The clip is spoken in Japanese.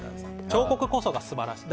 彫刻こそが素晴らしい。